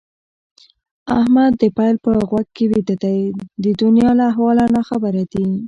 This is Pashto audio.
احمد د پيل په غوږ کې ويده دی؛ د دونيا له احواله ناخبره دي.